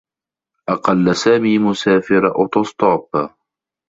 أقلّ سامي مسافر أوتوستوب.